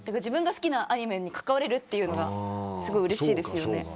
自分が好きなアニメに関われるっていうのがすごいうれしいですよね。